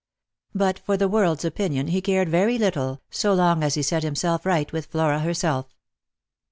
But for the world's opinion he cared very little, so long as he set himself right with Flora herself.